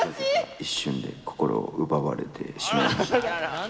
一瞬で心を奪われてしまいました。